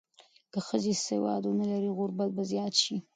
که ښځې سواد ونه لري، غربت به زیات شي.